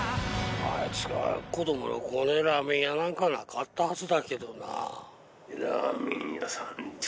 あいつが子どもの頃ラーメン屋なんかなかったはずだけどな。